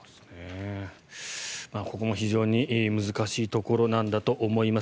ここも非常に難しいところなんだと思います。